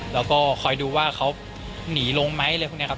แล้วก็คอยดูว่าเขาหนีลงไหมอะไรพวกนี้ครับ